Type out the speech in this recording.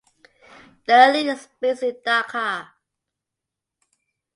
The league is based in Dhaka.